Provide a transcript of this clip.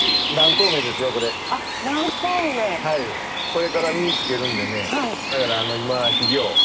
これから実つけるんでねだから今肥料。